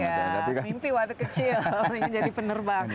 ya mimpi waktu kecil ingin jadi penerbang